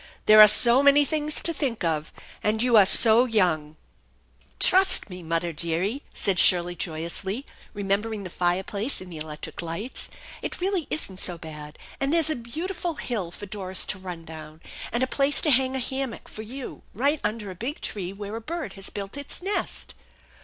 " There are so many things to think of, and you are so young." "Trust me, mudder dearie," said Shirley joyously, re membering the fireplace and the electric lights. " It really isn't so bad ; and there's a beautiful hill for Doris to run down, and a place to hang a hammock for you right under a big tree where a bird has built its nest."